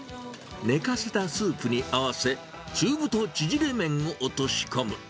寝かせたスープに合わせ、中太ちぢれ麺を落とし込む。